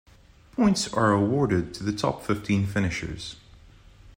Points are awarded to the top fifteen finishers.